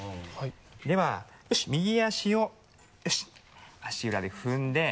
では右足を足裏で踏んではい。